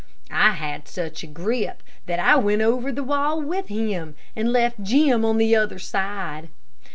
I had such a grip, that I went over the wall with him, and left Jim on the other side.